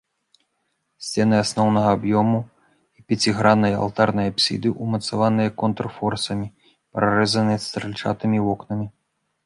Сцены асноўнага аб'ёму і пяціграннай алтарнай апсіды ўмацаваныя контрфорсамі, прарэзаныя стральчатымі вокнамі.